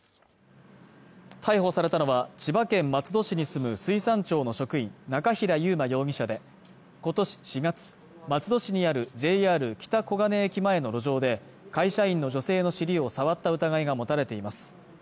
逮捕されたのは千葉県松戸市に住む水産庁の職員中平優馬容疑者で今年４月松戸市にあるＪＲ北小金駅前の路上で会社員の女性の尻を触った疑いが持たれています